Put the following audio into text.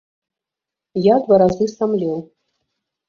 Я два разы самлеў.